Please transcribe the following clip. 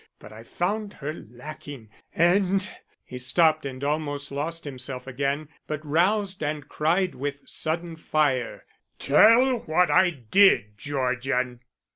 But I found her lacking, and " He stopped and almost lost himself again, but roused and cried with sudden fire, "Tell what I did, Georgian."